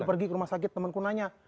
pergi ke rumah sakit temenku nanya